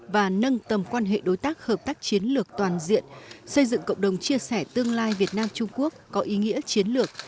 và nâng tầm quan hệ đối tác hợp tác chiến lược toàn diện xây dựng cộng đồng chia sẻ tương lai việt nam trung quốc có ý nghĩa chiến lược